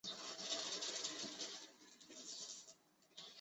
赫菲斯托斯对应。